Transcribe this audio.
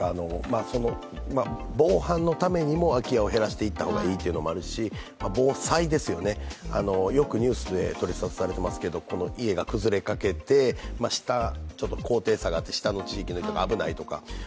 防犯のためにも空き家を減らしていった方がいいというのもあるし防災、よくニュースで取り沙汰されていますけれども、家が崩れかけて、高低差があって下の地域の人が危ないとか。